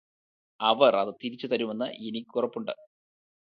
അവർ അത് തിരിച്ചു തരുമെന്ന് എനിക്ക് ഉറപ്പുണ്ട്